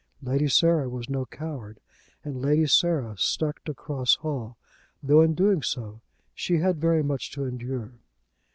Lady Sarah was no coward, and Lady Sarah stuck to Cross Hall, though in doing so she had very much to endure.